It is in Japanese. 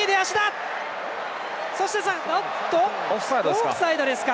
オフサイドですか。